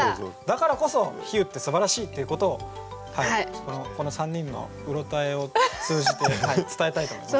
だからこそ比喩ってすばらしいっていうことをこの３人のうろたえを通じて伝えたいと思います。